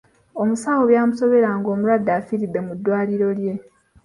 Omusawo byamusobera ng'omulwadde afiiridde mu ddwaliro lye.